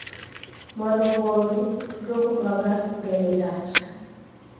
Mwandu ghodu ndoghudwagha ngelo ndacha.